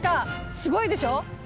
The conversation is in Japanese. すごいでしょ！